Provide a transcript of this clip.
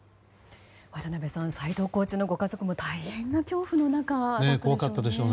渡辺さん斎藤コーチのご家族大変な恐怖の中だったでしょうね。